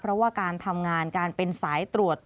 เพราะว่าการทำงานการเป็นสายตรวจ